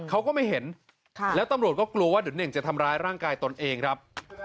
เขาก็ไม่เห็นแล้วตำรวจก็กลัวว่าเดี๋ยวเน่งจะทำร้ายร่างกายตนเองครับ